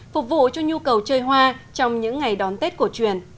phục vụ cho nhu cầu chơi hoa trong những ngày đón tết cổ truyền